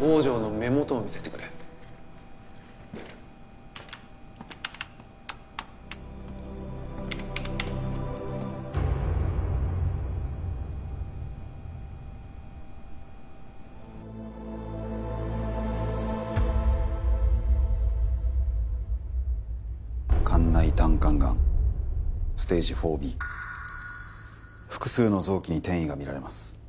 坊城の目元を見せてくれ肝内胆管癌ステージⅣＢ複数の臓器に転移が見られます